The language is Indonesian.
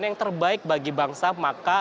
yang terbaik bagi bangsa maka